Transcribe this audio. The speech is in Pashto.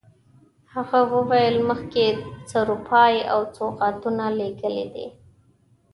هغه وویل مخکې سروپايي او سوغاتونه لېږلي دي.